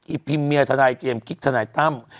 พิมเมียทนายเจมส์กิ๊กทนายตั้ม